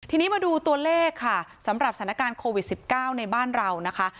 ทีนี้มาดูตัวเลขค่ะสำหรับสถานการณ์โควิด๑๙ในบ้านเรานะคะ